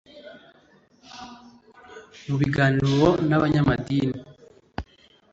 Mu biganiro n’abanyamadini